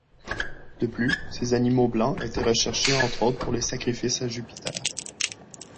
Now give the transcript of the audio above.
De plus, ces animaux blancs étaient recherchés entre autres pour les sacrifices à Jupiter.